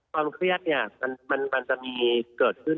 ความเครียดเนี่ยมันจะมีเกิดขึ้น